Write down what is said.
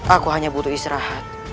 aku hanya butuh istirahat